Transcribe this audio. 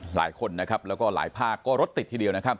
หลายคนแล้วก็หลายภาคก็รถติดทีเดียว